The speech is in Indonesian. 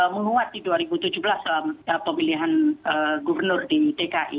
menguat di dua ribu tujuh belas pemilihan gubernur di dki